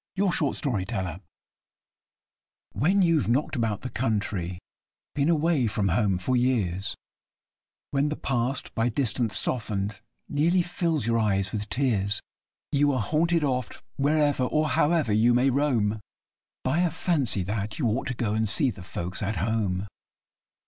THE PROFESSIONAL WANDERER When you've knocked about the country been away from home for years; When the past, by distance softened, nearly fills your eyes with tears You are haunted oft, wherever or however you may roam, By a fancy that you ought to go and see the folks at home.